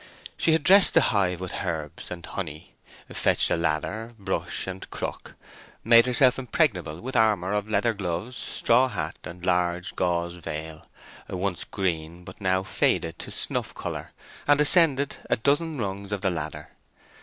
She had dressed the hive with herbs and honey, fetched a ladder, brush, and crook, made herself impregnable with armour of leather gloves, straw hat, and large gauze veil—once green but now faded to snuff colour—and ascended a dozen rungs of the ladder.